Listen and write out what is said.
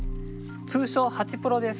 通称ハチプロです。